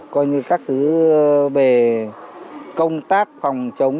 coi như các thứ về công tác phòng chống